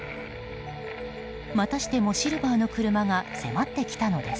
またしてもシルバーの車が迫ってきたのです。